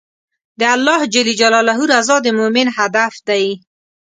د الله رضا د مؤمن هدف دی.